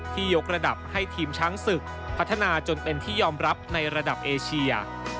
ยกระดับให้ทีมช้างศึกพัฒนาจนเป็นที่ยอมรับในระดับเอเชีย